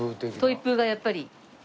トイプーがやっぱり。